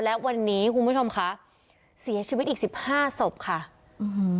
และวันนี้คุณผู้ชมค่ะเสียชีวิตอีกสิบห้าศพค่ะอืม